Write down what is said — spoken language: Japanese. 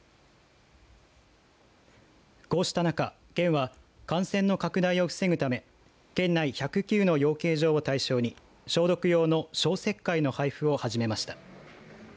こうした中、県は感染の拡大を防ぐため県内１０９の養鶏場を対象に消毒用の消石灰の配付を始めました。